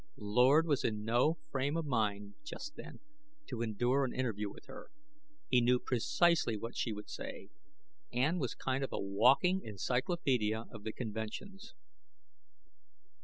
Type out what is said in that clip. Lord was in no frame of mind, just then, to endure an interview with her. He knew precisely what she would say; Ann was a kind of walking encyclopedia of the conventions.